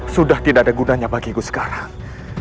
sudah tidak ada gunanya bagiku sekarang